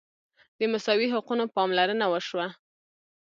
د مساوي حقونو پاملرنه وشوه.